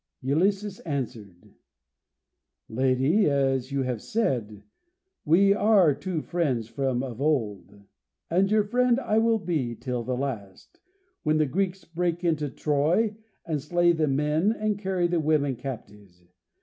Ulysses answered, "Lady, as you have said, we two are friends from of old, and your friend I will be till the last, when the Greeks break into Troy, and slay the men, and carry the women captives.